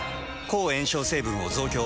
抗炎症成分を増強。